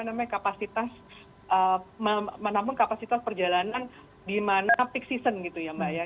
yang namanya kapasitas manapun kapasitas perjalanan di mana fixed season gitu ya mbak ya